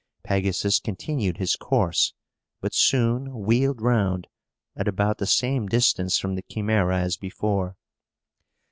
Pegasus continued his course, but soon wheeled round, at about the same distance from the Chimæra as before.